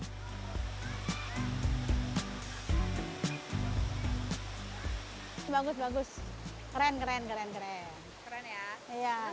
di sini ada banyak tempat untuk menikmati panorama dan curug